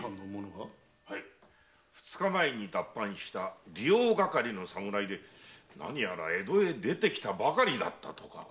はい二日前に脱藩した利用掛の侍で江戸へ出てきたばかりだったとか。